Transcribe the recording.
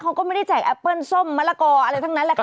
เขาก็ไม่ได้แจกแอปเปิ้ลส้มมะละกออะไรทั้งนั้นแหละค่ะ